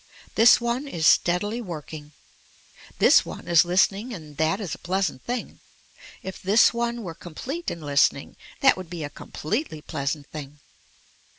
This one is steadily working. This one is listening and that is a pleasant thing. If this one were complete in listening that would be a completely pleasant thing.